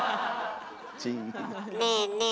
ねえねえ